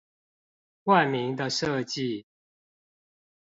冠名的設計